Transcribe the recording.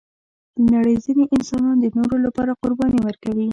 د نړۍ ځینې انسانان د نورو لپاره قرباني ورکوي.